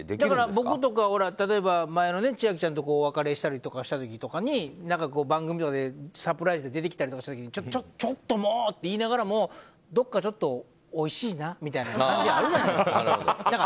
僕とか、前の千秋ちゃんとお別れした時とかに番組とかでサプライズで出てきたりとかした時にちょっと、もうって言いながらもどこかちょっとおいしいなみたいな感じあるじゃないですか。